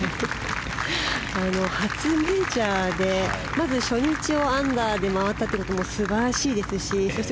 初メジャーでまず初日をアンダーで回ったということも素晴らしいですしそして